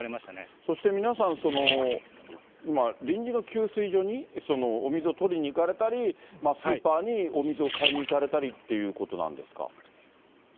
そして皆さん、今、臨時の給水所にお水を取りにいかれたり、スーパーにお水を買いに行かれたりっていうことなんですか。